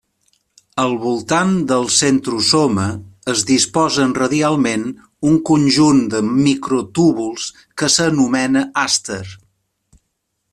Al voltant del centrosoma es disposen radialment un conjunt de microtúbuls que s'anomena àster.